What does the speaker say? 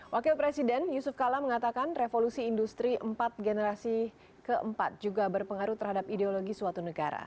wakil presiden yusuf kala mengatakan revolusi industri empat generasi keempat juga berpengaruh terhadap ideologi suatu negara